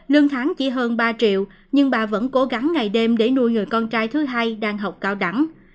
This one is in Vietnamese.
lương tháng chỉ hơn ba triệu nhưng bà vẫn cố gắng ngày đêm để nuôi người con trai thứ hai đang học cao đẳng